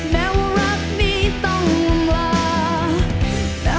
แม้ว่ารักนี้ต้องลา